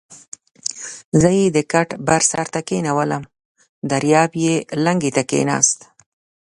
زه یې د کټ بر سر ته کېنولم، دریاب یې لنګې ته کېناست.